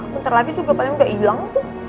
bentar lagi juga paling udah ilang tuh